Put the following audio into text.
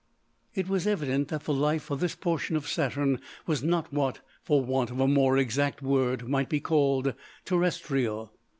It was evident that the life of this portion of Saturn was not what, for want of a more exact word, might be called terrestrial.